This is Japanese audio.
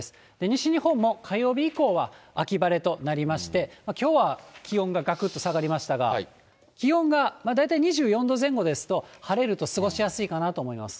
西日本も火曜日以降は秋晴れとなりまして、きょうは気温ががくっと下がりましたが、気温が大体２４度前後ですと、晴れると過ごしやすいかなと思います。